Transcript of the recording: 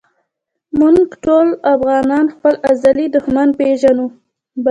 مونږ ټولو افغانان خپل ازلي دښمن پېژنو